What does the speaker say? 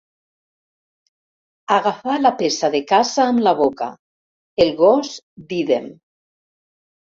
Agafar la peça de caça amb la boca, el gos d'ídem.